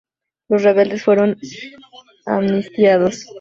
Los rebeldes fueron amnistiados.